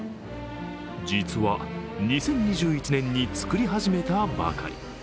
実は２０２１年に作り始めたばかり。